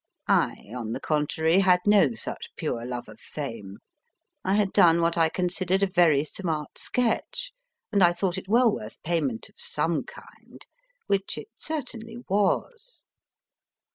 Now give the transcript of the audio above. I, on the contrary, had no such pure love of fame. I had done what I considered a very smart sketch, and I thought it well worth payment of some kind, which it certainly was.